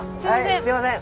すいません。